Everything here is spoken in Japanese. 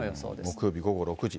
木曜日午後６時。